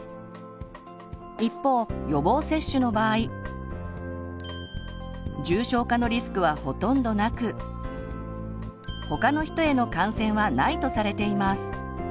一方予防接種の場合重症化のリスクはほとんどなく他の人への感染はないとされています。